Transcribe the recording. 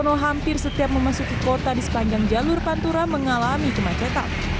hampir setiap memasuki kota di sepanjang jalur pantura mengalami kemacetan